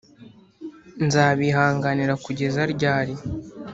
Nzabihanganira kugeza ryari?